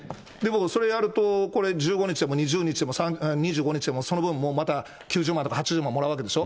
それやると、これ、１５日でも２０日でも、２５日でもその分、また９０万とか８０万もらうわけでしょ。